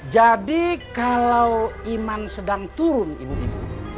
jadi kalau iman sedang turun ibu ibu